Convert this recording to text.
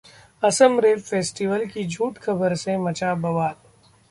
'Assam rape festival' की झूठी खबर से मचा बवाल